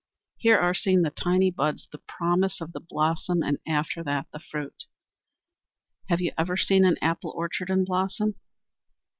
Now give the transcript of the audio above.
Here are seen the tiny buds, the promise of the blossom, and after that the fruit. Have you ever seen an apple orchard in blossom?